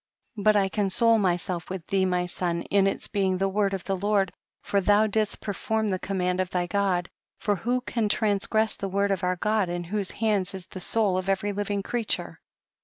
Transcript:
81. But I console myself with thee my son, in its being the word of the Lord, for thou didst perform the command of thy God : for who can transgress the word of our God, in whose hands is the soul of every living creature